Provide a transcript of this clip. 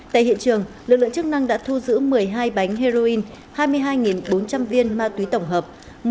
tại hiện trường lực lượng chức năng đã thu giữ một mươi hai bánh heroin hai mươi hai bốn trăm linh viên ma túy tổng hợp